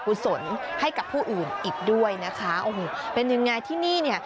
กุศลให้กับผู้อื่นอีกด้วยนะคะโอ้โหเป็นยังไงที่นี่เนี่ย